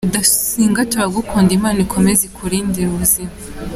rudasingwa turagukunda immana ikomeze ikurindire ubuzima